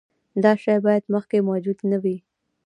دا شی باید مخکې موجود نه وي.